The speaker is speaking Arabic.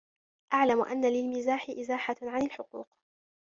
اعْلَمْ أَنَّ لِلْمِزَاحِ إزَاحَةً عَنْ الْحُقُوقِ